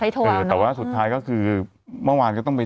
โทรเออแต่ว่าสุดท้ายก็คือเมื่อวานก็ต้องไป